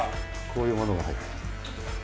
こういうものが入ってる。